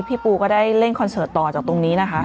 พี่ปูก็ได้เล่นคอนเสิร์ตต่อจากตรงนี้นะคะ